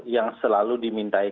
yang selalu dimintai